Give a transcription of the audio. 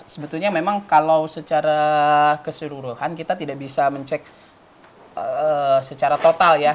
sebetulnya memang kalau secara keseluruhan kita tidak bisa mencek secara total ya